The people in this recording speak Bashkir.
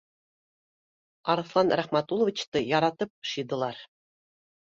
Арыҫлан Рәхмәтулловичты яратып шидылар